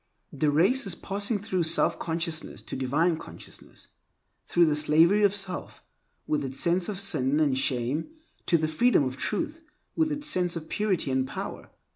The race is passing through self consciousness to divine consciousness; through the slavery of self, with its sense of sin and shame, to the freedom of Truth, with its sense of purity and power.